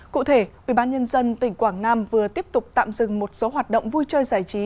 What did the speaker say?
cụ thể ubnd tỉnh quảng nam vừa tiếp tục tạm dừng một số hoạt động vui chơi giải trí